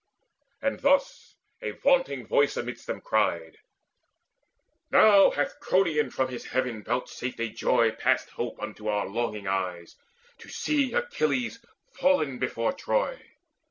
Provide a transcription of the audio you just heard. And thus a vaunting voice amidst them cried: "Now hath Cronion from his heaven vouchsafed A joy past hope unto our longing eyes, To see Achilles fallen before Troy.